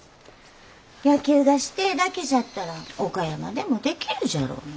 野球がしてえだけじゃったら岡山でもできるじゃろうに。